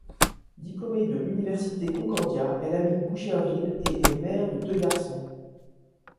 Diplômée de l'Université Concordia, elle habite Boucherville et est mère de deux garçons.